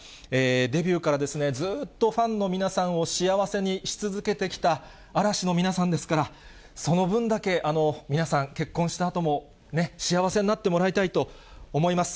デビューからずっとファンの皆さんを幸せにし続けてきた嵐の皆さんですから、その分だけ皆さん、結婚したあとも、ね、幸せになってもらいたいと思います。